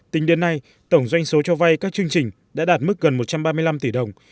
tính đến nay tổng doanh số cho vay các chương trình đã đạt mức gần một trăm ba mươi năm tỷ đồng